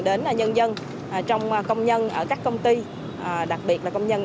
đến nhân dân trong công nhân ở các công ty đặc biệt là công nhân